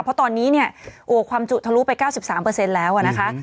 เพราะตอนนี้เนี่ยโอ้ความจุทะลุไป๙๓แล้วนะคะ